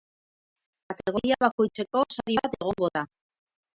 Kategoria bakoitzeko sari bat egongo da.